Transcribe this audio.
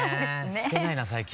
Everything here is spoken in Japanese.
してないな最近。